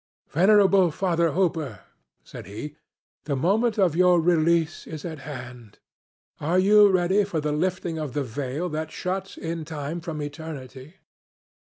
"Venerable Father Hooper," said he, "the moment of your release is at hand. Are you ready for the lifting of the veil that shuts in time from eternity?"